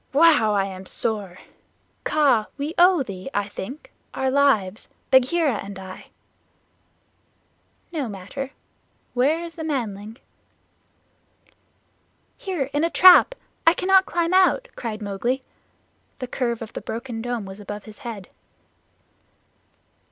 "Wow! I am sore. Kaa, we owe thee, I think, our lives Bagheera and I." "No matter. Where is the manling?" "Here, in a trap. I cannot climb out," cried Mowgli. The curve of the broken dome was above his head.